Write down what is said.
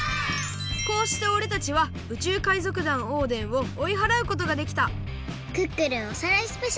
こうしておれたちは宇宙海賊団オーデンをおいはらうことができた「クックルンおさらいスペシャル！」